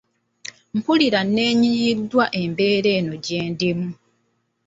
Mpulira neenyiyiddwa embeera eno gye ndimu.